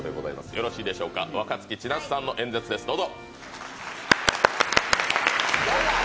よろしいでしょうか、若槻千夏さんの演説です、どうぞ。